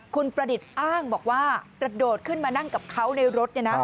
คุณประดิษฐ์อ้างบอกว่ากระโดดขึ้นมานั่งกับเขาในรถ